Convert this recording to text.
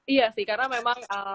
iya sih karena memang